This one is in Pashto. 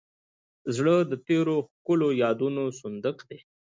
زړه د تېرو ښکلو یادونو صندوق دی.